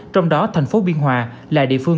trong đó thành phố biên hòa là địa phương